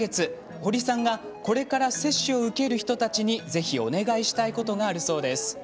堀さんがこれから接種を受ける人たちにぜひお願いしたいことがあるそうです。